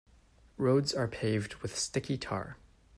Roads are paved with sticky tar.